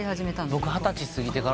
僕二十歳過ぎてから。